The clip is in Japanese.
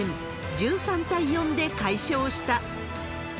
１３対４で快勝した。